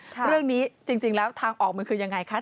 ในวันนี้ทางออกมันคือยังไงคะ